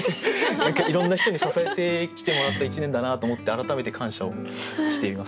何かいろんな人に支えてきてもらった一年だなと思って改めて感謝をしています。